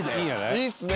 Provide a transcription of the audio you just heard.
いいっすね。